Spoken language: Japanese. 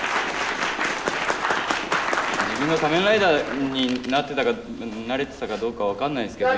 自分が仮面ライダーになってたかなれてたかどうか分かんないですけど。